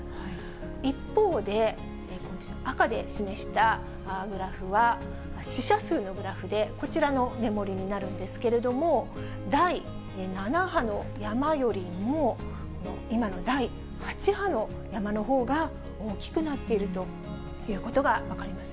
一方で、赤で示したグラフは、死者数のグラフで、こちらのメモリになるんですけれども、第７波の山よりも、今の第８波の山のほうが大きくなっているということが分かります